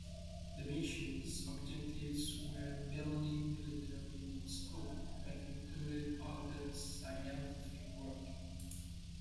The mission's objectives were mainly military in scope, but included other scientific work.